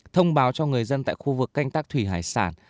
thông báo cho người dân tại khu vực canh tác thủy hải sản